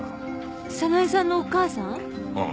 早苗さんのお母さん？